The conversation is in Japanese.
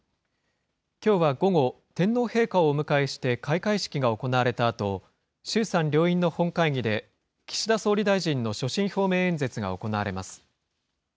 きょうは午後、天皇陛下をお迎えして開会式が行われたあと、衆参両院の本会議で岸田総理大臣の所信表明演説が行われます。